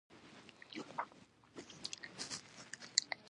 افغانستان د وګړي لپاره مشهور دی.